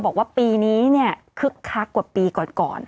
บอกว่าปีนี้เนี่ยคึกคักกว่าปีก่อน